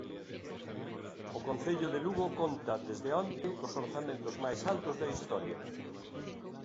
O Concello de Lugo conta desde onte cos orzamentos máis altos da historia.